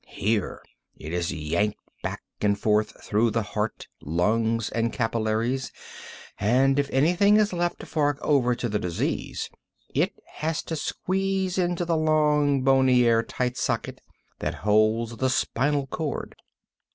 Here it is yanked back and forth through the heart, lungs and capillaries, and if anything is left to fork over to the disease, it has to squeeze into the long, bony, air tight socket that holds the spinal cord.